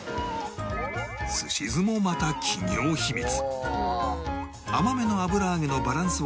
寿司酢もまた企業秘密